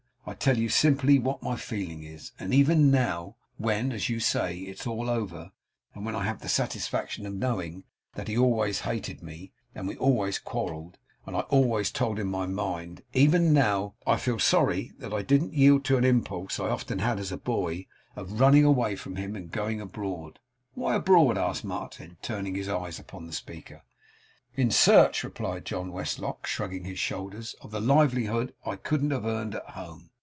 I tell you simply what my feeling is; and even now, when, as you say, it's all over; and when I have the satisfaction of knowing that he always hated me, and we always quarrelled, and I always told him my mind; even now, I feel sorry that I didn't yield to an impulse I often had, as a boy, of running away from him and going abroad.' 'Why abroad?' asked Martin, turning his eyes upon the speaker. 'In search,' replied John Westlock, shrugging his shoulders, 'of the livelihood I couldn't have earned at home.